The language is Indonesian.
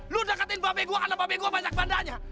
lu deketin babi gua karena babi gua banyak bandanya